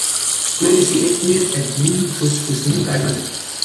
Hier ist die Ethnie der Bimin-Kuskusmin beheimatet.